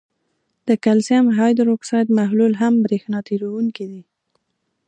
د کلسیم هایدروکساید محلول هم برېښنا تیروونکی دی.